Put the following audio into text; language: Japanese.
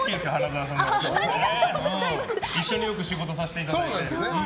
一緒によく仕事させていただいて。